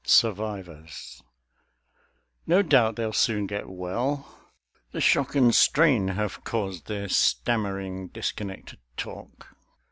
SURVIVORS No doubt they'll soon get well; the shock and strain Have caused their stammering, disconnected talk.